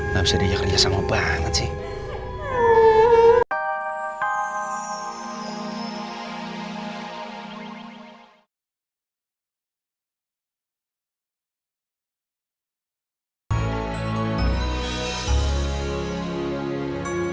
gak bisa dia kerja sama banget sih